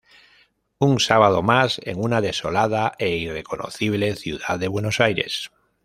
Un sábado más en una desolada e irreconocible ciudad de Buenos Aires.